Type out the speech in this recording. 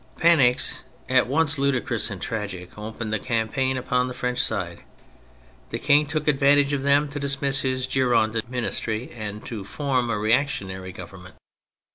Panics at once ludicrous and tragic opened the campaign upon the French side. The King took advantage of them to dismiss his Girondin Ministry and to form a reactionary Government.